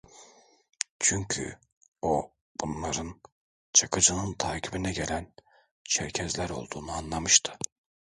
Çünkü o bunların Çakıcı'nın takibine gelen Çerkesler olduğunu anlamıştı.